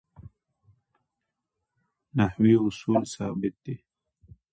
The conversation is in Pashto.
نحوي اصول ثابت دي.